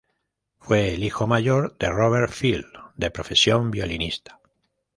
Fue el hijo mayor de Robert Field, de profesión violinista.